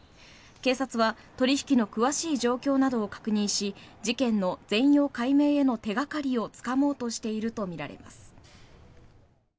警察は取引の詳しい状況などを確認し事件の全容解明への手掛かりをつかもうとしているとみられます。